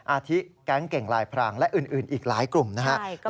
อาทิแก๊งเก่งลายพรางและอื่นอีกหลายกลุ่มนะครับ